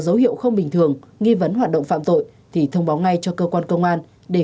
dấu hiệu không bình thường nghi vấn hoạt động phạm tội thì thông báo ngay cho cơ quan công an để